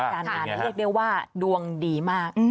การงานเรียกได้ว่าดวงดีมาก